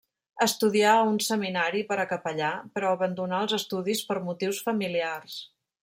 Estudià a un seminari per a capellà, però abandonà els estudis per motius familiars.